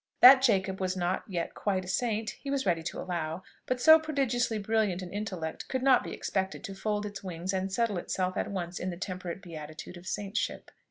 That Jacob was not yet quite a saint, he was ready to allow; but so prodigiously brilliant an intellect could not be expected to fold its wings and settle itself at once in the temperate beatitude of saintship.